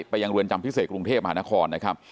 ไปยังรวรรณ์จำภิกเศษกรุงเทพฯมาฮานารครนะครครับ